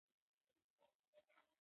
آیا مستطیل دیوالونه له نړیدو څخه ژغوري؟